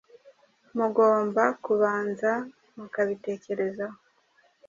mugomba kubanza mukabitekerezaho,